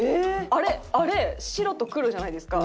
あれあれ白と黒じゃないですか。